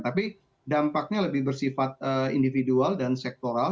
tapi dampaknya lebih bersifat individual dan sektoral